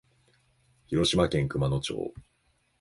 広島県熊野町